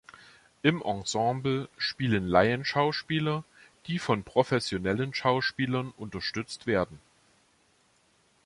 Im Ensemble spielen Laienschauspieler, die von professionellen Schauspielern unterstützt werden.